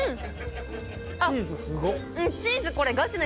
チーズすごっ。